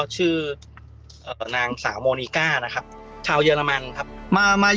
สุดท้ายก็ไม่มีทางเลือกแต่มีทางเลือกที่ไม่มีทางเลือก